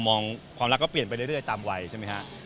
ความรักก็เปลี่ยนไปเรื่อยตามวัยใช่ไหมฮะ